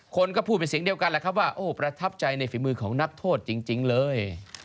คนก็พูดเป็นเสียงเดียวกันแหละครับว่าโอ้ประทับใจในฝีมือของนักโทษจริงเลย